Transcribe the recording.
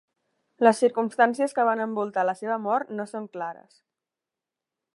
Les circumstàncies que van envoltar la seva mort no són clares.